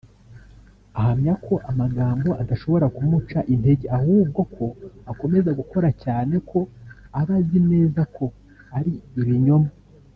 Ahamya ko amagambo adashobora kumuca intege ahubwo ko akomeza gukora cyane ko aba azi neza ko ari ibinyoma